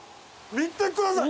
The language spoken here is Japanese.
見てください。